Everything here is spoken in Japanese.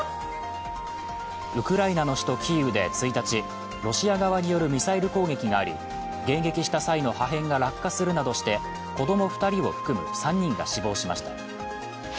ウクライナの首都キーウで１日、ロシア側によるミサイル攻撃があり迎撃した際の破片が落下するなどして子供２人を含む３人が死亡しました。